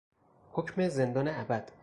حکم زندان ابد